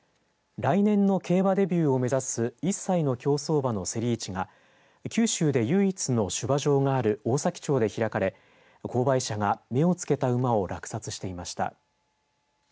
来年の競馬デビューを目指す１歳の競走馬のせり市が九州で唯一の種馬場がある大崎町で開かれ購買者が目をつけた馬を落札していました。